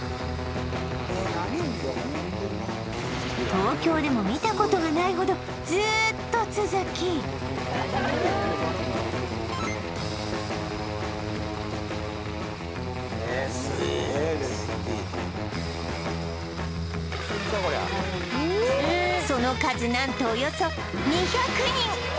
東京でも見たことがないほどずーっと続きその数何とおよそ２００人！